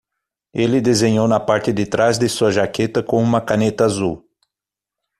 Ele desenhou na parte de trás de sua jaqueta com uma caneta azul.